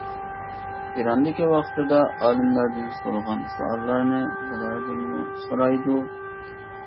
ئىراندىكى ۋاقتىدا ئالىملاردىن سورىغان سوئاللارنى بۇلاردىنمۇ سورايدۇ.